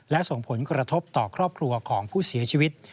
และส่งผลกระทบต่อครอบครัวของผู้เสียชีวิต